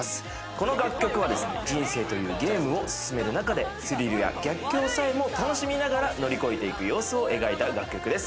この楽曲はですね、人生というゲームを進める中で、スリルや逆境さえも楽しみながら乗り越えていく様子を描いた楽曲です。